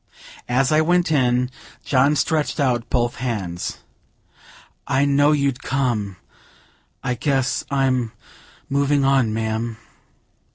As I went in, John stretched out both hands: "I know you'd come! I guess I'm moving on, ma'am."